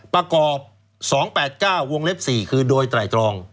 ประกอบ๒๘๙วงเล็บ๔คือโดยไตรตรอง